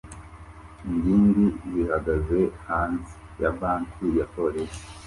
ingimbi zihagaze hanze ya banki ya Police